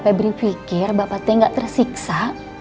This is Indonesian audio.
apa febri pikir bapak teh gak tersiksa